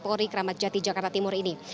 puri kramat jati jakarta timur ini